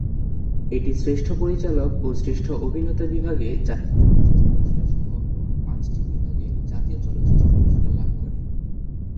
এটি শ্রেষ্ঠ পরিচালক ও শ্রেষ্ঠ অভিনেতা বিভাগে জাতীয় চলচ্চিত্র পুরস্কারসহ মোট পাঁচটি বিভাগে জাতীয় চলচ্চিত্র পুরস্কার লাভ করে।